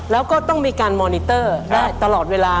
แล้วก็ต้องมีการมอนิเตอร์ได้ตลอดเวลา